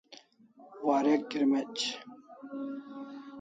Warek kirmec'